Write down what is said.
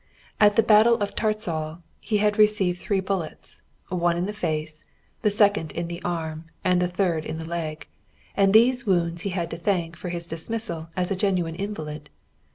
At the battle of Tarczal he had received three bullets, one in the face, the second in the arm, and the third in the leg, and these wounds he had to thank for his dismissal as a genuine invalid.